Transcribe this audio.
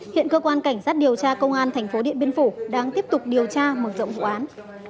hiện cơ quan cảnh sát điều tra công an thành phố điện biên phủ đang tiếp tục điều tra mở rộng vụ án